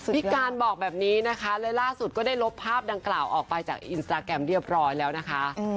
พี่การบอกแบบนี้นะคะและล่าสุดก็ได้ลบภาพดังกล่าวออกไปจากอินสตาแกรมเรียบร้อยแล้วนะคะ